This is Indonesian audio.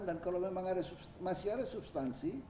dan kalau memang masih ada substansi